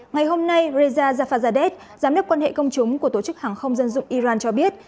ngày hôm nay reza zafazadeh giám đốc quan hệ công chúng của tổ chức hàng không dân dụng iran cho biết